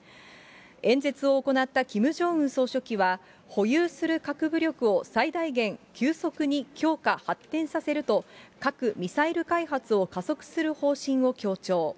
演説を行ったキム・ジョンウン総書記は、保有する核武力を最大限、急速に強化、発展させると核・ミサイル開発を加速する方針を強調。